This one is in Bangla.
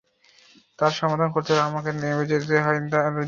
তার সমাধান করতে হলে আমাদের নেবে যেতে হয় হৃদয়ের অনেক গভীরে।